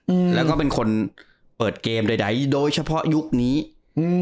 อืมแล้วก็เป็นคนเปิดเกมใดใดโดยเฉพาะยุคนี้อืม